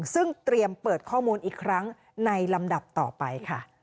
ซึ่งเตรียมเปิดข้อมูลอีกครั้งในลำดับต่อไปค่ะ